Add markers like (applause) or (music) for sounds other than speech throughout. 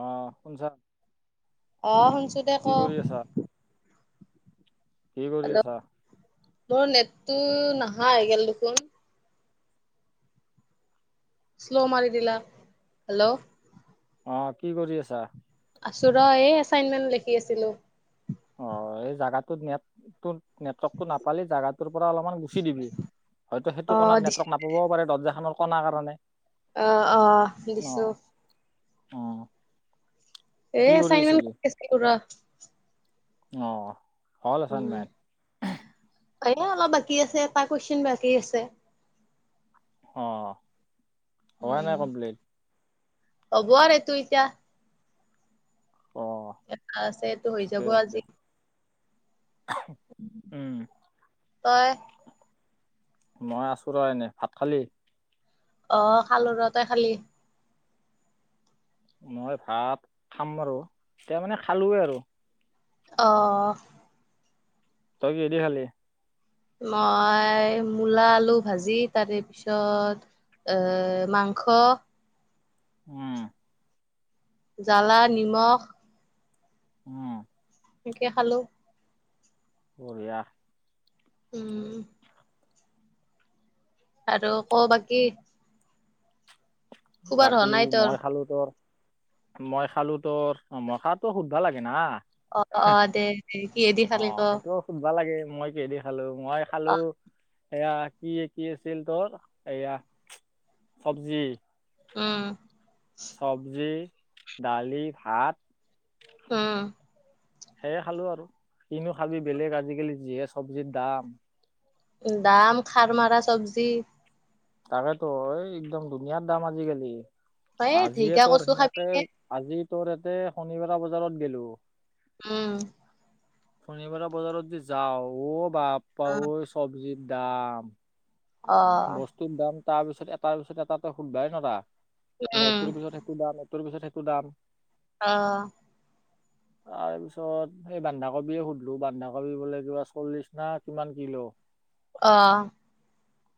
অ শু অ শুনছো দে ক আছা কি কৰি হেল্ল' আাছা মোৰ নেটটো নাহা গেল দেখোন স্ল' মাৰ দিলা হেল্ল' অ কি কৰি আছা আছো ৰ', এই এচাইনমেন্ট লেখি আছিলো। (unintelligible) নেটৱৰ্কতটো নাপালি জাগা তাৰপৰা অলপমান গুচি দিবি, হয়তো সেইটো অ', কণাত দিছ নেটৱৰ্ক নাপাবও পাৰে দৰ্জা খানৰ কণা কাৰণে। অ, অ, অ দিছো। অ এ কি কৰি এচাইনমেণ্ট আহ হল এচাইনমেণ্ট অ অলপ বাকী আছে এটা কুৱেছন বাকী আছে অ হব নাই উম, কমপ্লিট (unintelligible) অ এটা আছেটো, হৈ ঠিকে যাব আছে দে আজি। উম তই। মই আছো ৰ' এনে, ভাত খালি? অ, খালো ৰ' তাই খালি? মই ভাত খাম আৰু, এতিয়া মানে খালোৱে আৰু। অ-অহ। তই কিহেদি খালি? মই মূলা আলু ভাজি, তাৰে পিছত এ, মাংস, উম। জ্বালা নিমখ, উম। সেংকে খালো। বঢ়িয়া। উম। আৰু ক' বাকী। শুবাৰ হোৱা বাকী নাই তোৰ মই খালো তোৰ মই খালো তোৰ, অ-মই খাতোও শুধবা ভাল লাগে না। অ, অ, দে, দে। কিহেদি অ, খালি ক সেইটোও সুধবা লাগে মই কিহেদি খালো, মই খালো অ এইয়া কি, কি আছিল তোৰ, এইয়া চবজি। উম। চবজি, দালি, ভাত। উম। সেয়ে খালো আৰু, কিনো খাবি বেলেগ আজিকালি, যিহে চবজিৰ দাম। দাম, খাৰ মাৰা চব্জি। তাকেতো, এই একদম দুনীয়াৰ দাম আজিকালি। এ আজিয়ে ঢেকীয়া তোৰ কচু খাবি সেনেকে, নে আজি তোৰ এতে শনিবৰা বজাৰত গেলো। উম। শনিবৰা বজাৰত যে যাওঁ, অ বাপ্পা ঐ! চব্জিৰ দাম! অ বস্তুৰ দাম, তাৰ পিছত এটাৰ পিছত এটা তই সুধবাই নৰা, মানে উম এইটোৰ পিছত সেইটো দাম। টোৰ পিছত সেইটো দাম। অ। তাৰপিছত সেই বান্ধাকবিয়ে সুধলো, বান্ধাকবি বোলে কিবা চল্লিশ না কিমান কিলো। অ।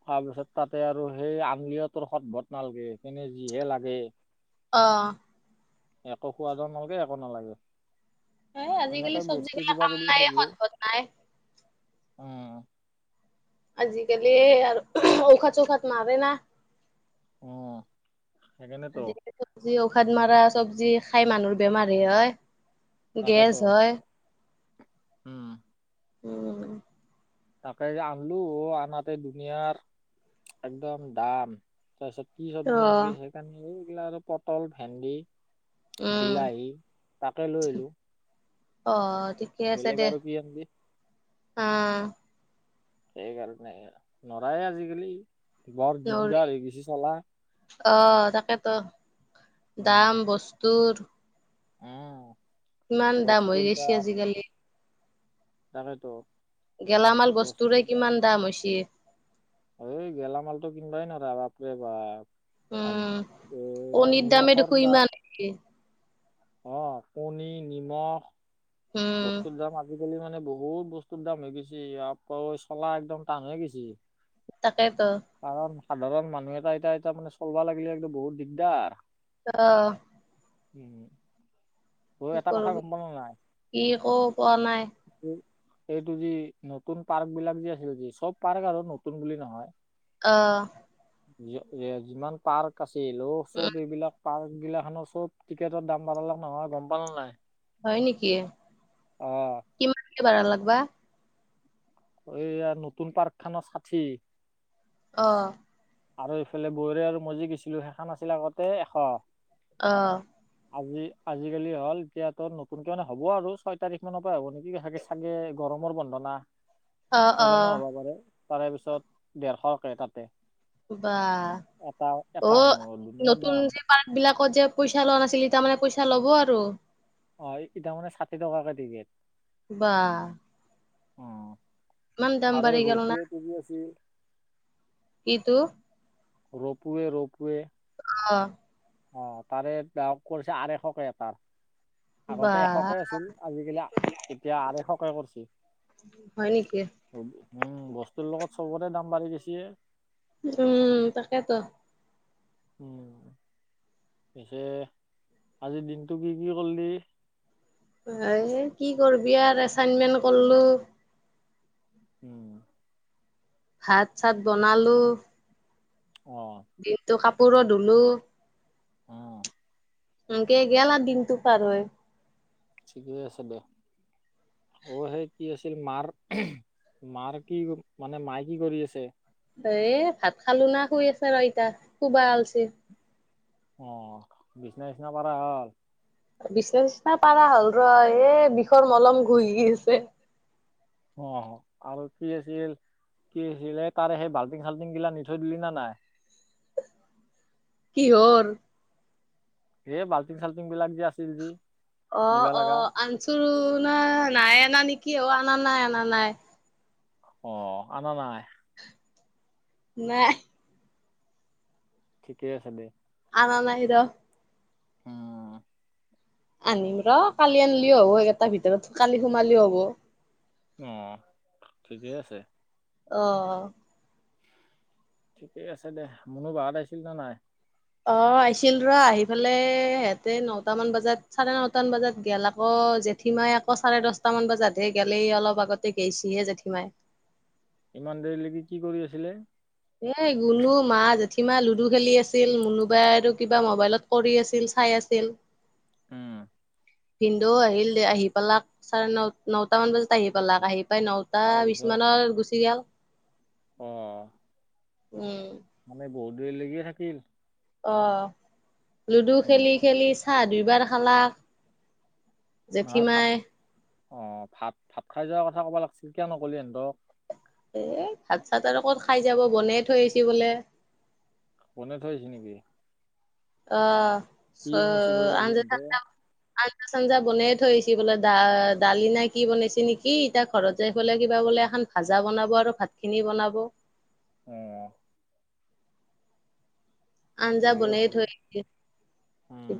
তাৰপিছত তাতে আৰু সেই আঙ (unintelligible) নালগে, তেনে যিহে লাগে। অ। একো খোৱাদো নালগে, একো নালাগে। এ আজিকালি সেনেকে বস্তু চবজিগিলা কিবা কাম কিবি নাই, সুধিলো সদ-ভত নাই। উম। আজিকালি আৰু ঔষধ, চৌষধ মাৰে না? অ'। আজিকালিতো যি ঔষধ মৰা চব্জি খাই মানুহৰ বেমাৰে হয়। গেছ তাকেটো হয় উম। উম। তাকে আনলো, অ, আনাতে দুনিয়াৰ একদম দাম তাৰপিছত কি ৰ চব্জি আনবি, সেইকাৰণে এই এইগ্লা আৰু পটল, ভেন্দি। উম বিলাহী, তাকে লৈ আহিলো। অ। বেলেগ আৰু কি আনবি। উম। সেইকাৰণে নোৱাৰে আজিকালি বৰ নৰি দিগদাৰ হৈ গৈছে চলা। অ' তাকেটো উম দাম বস্তুৰ উম। কিমান দাম হৈ গৈছে আজিকালি তাকেটো গেলামাল বস্তুৰে কিমান দাম হৈছে। এই গেলামালটো কিনবাই নোৱাৰা বাপৰে বা উম এই কণীৰ দামে নিমখৰ দেখোন ইমান দাম হৈছে। অ' কণী নিমখ উম বস্তু দাম আজি আজিকালি মানে বহুত বস্তুৰ দাম হৈ গৈছে আপাঐ চলা একদম টান হয় গৈছি। তাকেতো সাধাৰণ মানুহ এটা এটা এটা মানে চলবা লাগিলে একদম বহুত দিগদাৰ অহ' উম। অ' এটা কথা কৰবি গ'ম পাওঁ না নাই? কি একো পোৱা নাই এইটো যি নতুন পাৰ্ক বিলাক যি আছিল। যি চ'ব পাৰ্ক আৰু নতুন বুলি নহয়। অহ' এ এ যিমান পাৰ্ক আছিল অ' উ চ'ব এইবিলাক পাৰ্ক বিলাখানো চ'ব টিকেটৰ দাম বালে নহয় গ'ম পালা নে নাই? হয় নেকি। অ কিমানকে বাঢ়লাক বা এইয়া নতুন পাৰ্ক খানৰ ষাঠি। অহ। আৰু এইফালে বৌৰে আৰু মজি গৈছিলো সেইখন আছিল আগতে এশ। অহ। আজি আজিকালি হ'ল এতিয়াতো নতুনকে মানে হ'ব আৰু ছয় তাৰিখ মানৰ পৰা হ'ব নেকি গে চাগে গৰম মৰ বন্ধনা অ অ সেইকাৰণেও হ'ব পাৰে তাৰে পিছত ডেৰশকে তাতে। বা এটা এটা অ মানুহৰ ধুনীয়া নতুন দাম যে পাৰ্ক বিলাকত যে পইচা লোৱা নাছিলি তাৰমানে পইচা পইচা ল'ব আৰু। অ (unintelligible) মানে ষাঠি টকাকে টিকেট। বাহ উ আৰু গ'ল না ৰোপৱেটো কি আছিল? ইটো ৰোপোৱে ৰোপোৱে। অহ অ তাৰে ব কৰিছে আৰাইশকে এটাৰ। বা আগতে এশকে আছিল আজিকালি এতিয়া অৰাইশকে কৰিছি। হয় নেকি? উম বস্তুৰ লগত চবতে দাম বাঢ়ি গেছি এ। উম তাকেতো। উম। পিছে আজিৰ দিনটো কি কি কৰিলি? এ কি কৰবি আৰ এচাইনমেন্ট কৰলো। উম। ভাত চাত বনালো অ দিনটো কা পুৰো ধুলোঁ। অহ এনকে গেল আৰ দিনটো পাৰ হৈ। ঠিকে আছে দে, অ সেই কি আছ ছিল মাৰ মাৰ কি মানে মায়ে কি কৰি আছে? এ ভাত খালো না শুই আছে ৰ ইতা খোবা উলচি। অ বিছনা চিছনা পা হল, বিচনা চিচনা পাৰা হ'ল ৰ এই বিষৰ মলম ঘহি আছে। অ' আৰু কি আছিল? কি হৈছিলে তাৰে সেই বাল্টিং চাল্টিং গিলা নি থৈ দিলি না নাই? কিহৰ? এই বাল্টিং চাল্টিং বিলাক যে আছিল যি। অ' নিবা লগা অ' আনচো ন নাই অনা নেকি অ' অনা নাই অনা নাই। অ' অনা নাই। নাই। ঠিকে আছে দে। আনা নাই‌ ৰ'হ। উম আনিম ৰ কালি আনিলিও হ'ব একেটাৰ ভিতৰত কালি সোমালিও হ'ব। অ' ঠিকেই আছে। আহ। ঠিকেই আছে দে মনো বাহত আহিছিল নে নাই? অ' আহিছিল ৰ আহি পালে সিহতে নটামান বজাত চাৰে নটামান বজাত গাল আকৌ। জেঠীমাই আকৌ চাৰে দশটা মান বজাতহে গেলেই অলপ আগতে গেইছিহে জেঠীমাই। ইমান দেৰিলৈকি কি কৰি আছিলে? এ গুনু মা জেঠিমা লুডু খেলি আছিল মুোনোবাই আৰু কিবা মোবাইলত কৰি আছিল চাই। আছিল। উম ভিন্ন্দেও আহিল দে আহি পালাক চাৰে ন নট মান বজাত আহি পালাক আহি প্ৰায় নটা বি মানত গুচি গল। আহ। উম। বহুত দেৰি লাগিয়ে থাকিল। আহ লুডু উম খেলি খেলি চাহ দুইবাৰ খালা। নহয় ভাত জেঠীমাই অ' ভাত ভাত খাই যোৱাৰ কথা কব লাগিছিল কিয় নলি হিহঁতক? এ ভাত চাত আৰু ক'ত খাই যাব বনাই থৈ আহিছ বোলে। বনে থাইছ নেকি? অ' চ কি বনাইছে বোলে আজি আঞজ এহঁতে চ আঞ্জা চঞ্জা বনাই থৈছে বোলে দা দালি নাই কি বনাইছে নেকি এতিয়া ঘৰত যাই পেললে কিবা বোলে। এখন ভাজা বনাব আৰু ভাত খিনি বনাব। আহ। আঞ্জা ঠিকেই বনাই আছে দে থৈ আহ উম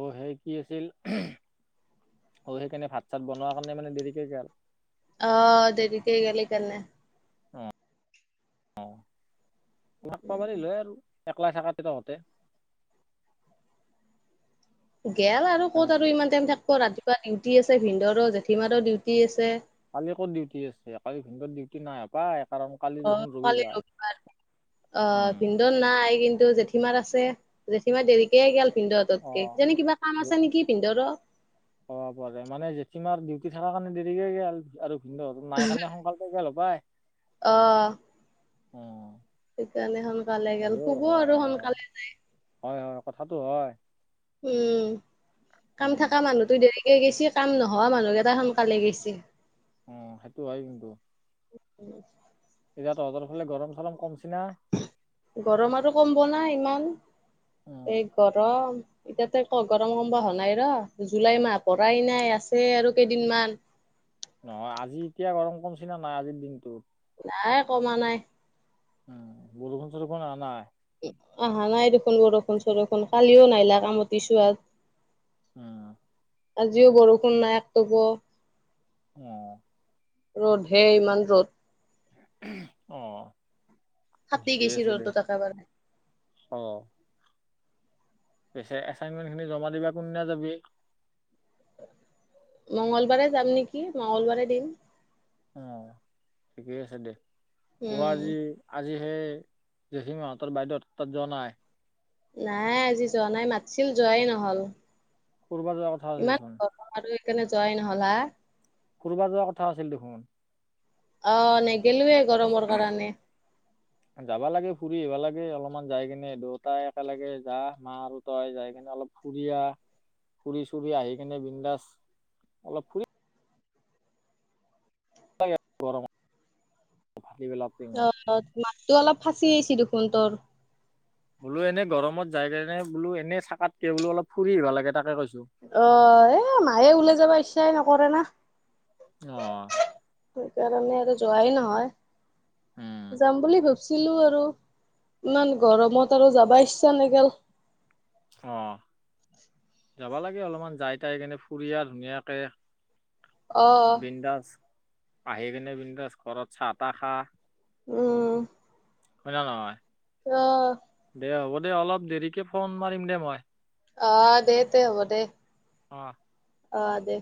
অ সে কি আছিল। অ সেইকাৰণে ভাত চাত বনোৱাৰ কাৰণে মানে দেৰিকেে আৰু আহ দেৰি কেই গলে গ নাই অ লগ পাব দিলে লয় আৰু একলাই থকাতে তহঁতে গেল আৰু ক'ত আৰু ইমান টাইম থাকিব ৰাতিপুৱা ডিউটি আছে ভিনন্দৰো জেঠিমাৰৰো ডিউটি আছে কালি ক'ত ডিউটি আছে কালি ভিনত ডিউটি নাই হপা অ পোৱাল ৰবিবাৰ অ উম ভিনদও নাই কিন্তু জেঠীমাৰ আছে জেঠীমাৰ দেৰিকে গল ভিন্দৰ অ হতঁতকে তোন কিবা কাম আছে নেকি ভিন্দৰ কব প মান জেঠমাৰ ডিউটি থকা কাৰণে দেৰিকে গল আৰু ভিন্ নাই কাৰণে সোনকালে গেল। বাই আহ। অ'। সেইকাৰণে সোনকালে গল শুব আৰু সোনকালে যায়। কথাতটো হয়। উম কাম উম থকা মানুহটোো দেৰি গেছি কাম নহয় মানুহকেইটা সোনকালে গেছে অ সেইটো হয় কিন্তু (unintelligible) ইয়াত তঁহতৰ ফালে গৰম চৰম কম গৰম আৰু কম ব নাই ইমান এই উম গৰম এতিয়াতে ক গৰম কম প হোৱা নাই ৰ জুলাই মাহ পৰাই নাই আছে আৰু কেইদিনমান নহয় আজি এতিয়া গৰম কমচিনা নাই আজিৰ দিনটোত নাই কমা নাই উম বৰষুণ চৰষুণ অহা নাই আহা নাই দেখোন বৰষুণ চৰষুণ কালিও নাইলা কামতি চোৱাত উম আজিও বৰষুণ নাই একটোপো অহ ৰ'দহে ইমান ৰ'দ অহ ফাটি ঠিকেই গৈছি আছে দে ৰ'দত একেবাৰে অহ পিছে এচাইনমেন্ট খিনি জমা দিবা কোনদিনা যাবি মঙংগলবাৰে যাম নেকি মংগলবাৰে দিম অ ঠিকেই আছে দে পুৱা উম আজি আজি সেই জেচীমাহঁতৰ বাইদেউত তাত যোৱা নাই নাই আজি যোৱা নাই মাতিছিল যোৱাই নহল কব যোৱা কথা আছিল ইমান চোন গৰম আৰু যোৱাই নহ'ল হা। কৰ'বাত যোৱা কথা আছিল দেখোন। অ, নেগেলেয়েই গৰমৰ কাৰণে। যাবা লাগে ফুৰি আহিবা লাগে অলপমান যাই কিনে দেউতাই একেলগে যা মা আৰু তই যাই কিনে অলপ ফুৰি আহ। ফুৰি চুৰি আহি কেনে বিন্দাস অলপ ফুৰি (inaudible) টিঙত অ', মাতটো অলপ ফাঁচি আহিছে দেখোন তোৰ। বোলো এনে গৰমত যাই কেনে বোলো এনে থাকাতকে বোলো অলপ ফুৰি আহিবা লাগে তাকে কৈছো। অ', এই মায়েই ওলাই যাব ইচ্ছাই নকৰে না। অহ। সেইকাৰণে আৰু যোৱাই নহয়, উম যাম বুলি ভাব ছিলো আৰু, ইমান গৰমত আৰু যাবা ইচ্ছা নেগেল। অহ। যাব লাগে অলপমান, যাই তাই কেনে ফুৰিয়া ধুনীয়াকে অ', বিন্দাজ। আহি কিনে বিন্দাছ ঘৰত চাহ তাহ খা। উম। হয় নে নহয়। অহ। দে হ'ব অলপ দেৰিকে ফোন মাৰিম দে মই। অ', দে তে হ'ব দে। অহ। অ', দে।